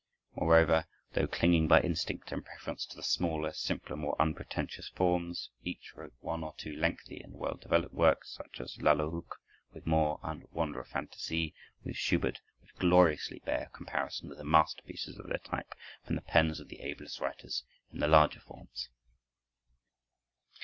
Moreover, though clinging by instinct and preference to the smaller, simpler, more unpretentious forms, each wrote one or two lengthy and well developed works, such as the "Lalla Rookh," with Moore, and the "Wanderer Fantaisie," with Schubert, which gloriously bear comparison with the masterpieces of their type from the pens of the ablest writers in the larger forms.